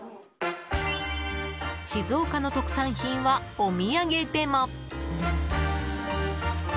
静岡の特産品は、お土産でも。